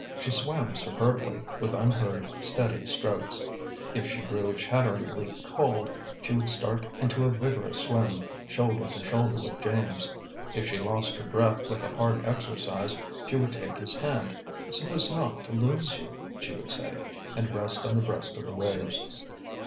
She swam superbly, with unhurried, steady strokes. If she grew chatteringly cold, she would start into a vigorous swim, shoulder to shoulder with James. If she lost her breath with the hard exercise, she would take his hand, "so as not to lose you," she would say, and rest on the breast of the waves.